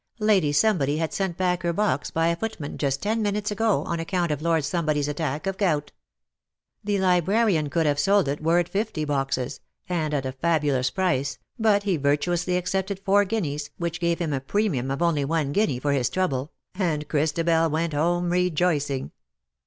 Lady Somebody had sent back her box by a foot man, just ten minutes ago, on account of Lord Somebody's attack of gout. The librarian could have sold it were it fifty boxes, and at a fabulous price, but he virtuously accepted four guineas, which gave him a premium of only one guinea for his trouble— and Christabel went home rejoicing.